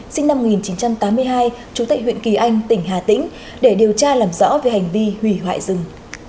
sinh năm một nghìn chín trăm tám mươi hai trú tại huyện kỳ anh tỉnh hà tĩnh để điều tra làm rõ về hành vi hủy hoại rừng